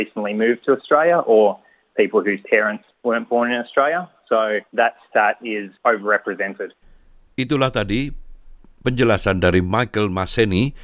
itulah tadi penjelasan dari michael maceni